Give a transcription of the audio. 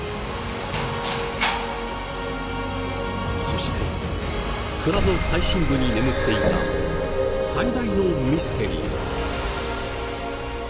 そして蔵の最深部に眠っていた最大のミステリー。